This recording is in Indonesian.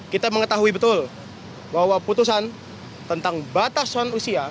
kita mengetahui betul bahwa putusan tentang batasan usia